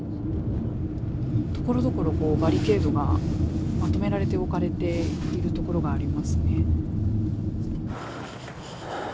ところどころバリケードがまとめられて置かれているところがありますね。